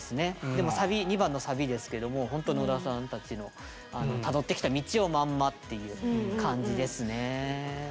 でもサビ２番のサビですけどもほんと野田さんたちのたどってきた道をまんまっていう感じですね。